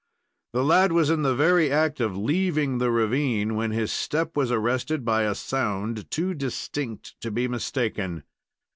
The lad was in the very act of leaving the ravine, when his step was arrested by a sound too distinct to be mistaken.